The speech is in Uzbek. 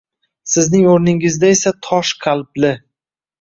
Sizning o’rningizda esa tosh qalbli –